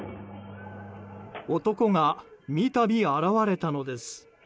男が三度、現れたのです。